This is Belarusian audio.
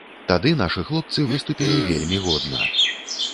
Тады нашы хлопцы выступілі вельмі годна.